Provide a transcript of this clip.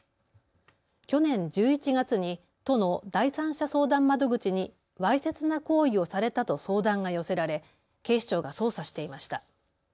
去年１１月に都の第三者相談窓口にわいせつな行為をされたと相談が寄せられ警視庁が捜査していました。